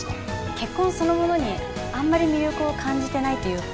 結婚そのものにあんまり魅力を感じてないっていうか